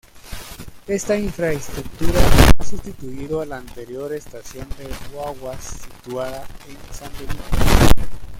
Esta infraestructura ha sustituido a la anterior estación de guaguas situada en San Benito.